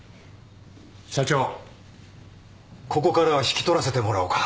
社長ここからは引き取らせてもらおうか。